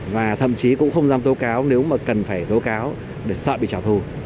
và thậm chí cũng không dám tố cáo nếu mà cần phải tố cáo để sợ bị trả thù